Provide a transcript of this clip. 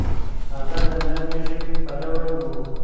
هغه د نرمې ژبې پلوی و.